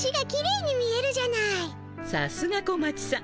さすが小町さん。